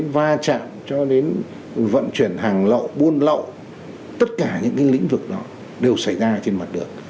va chạm cho đến vận chuyển hàng lậu buôn lậu tất cả những cái lĩnh vực đó đều xảy ra trên mặt đường